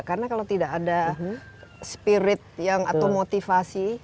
karena kalau tidak ada spirit yang atau motivasi